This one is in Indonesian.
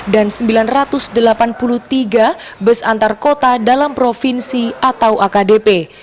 dan sembilan ratus delapan puluh tiga bus antar kota dalam provinsi atau akdp